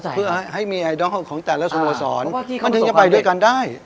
เพื่อให้มีไอดอลของแต่ละสโมสรมันถึงจะไปด้วยกันได้